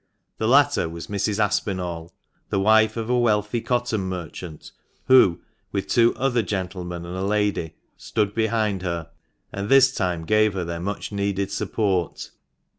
The latter was Mrs. Aspinall, the wife of a wealthy cotton merchant, who, with two other gentlemen and a lady, stood behind her, and this time gave her their much needed support.